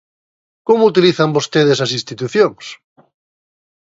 ¡Como utilizan vostedes as institucións!